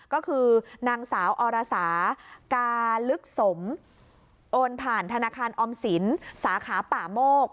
ก็คือนางสาวอรสากาลึกสมโอนผ่านธนาคารออมสินสาขาป่าโมก